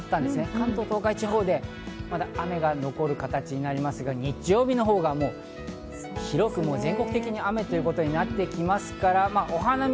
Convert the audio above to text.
関東、東海地方でまだ雨が残る形になりますが、日曜日のほうが、もう広く全国的に雨となっていきますから、お花見、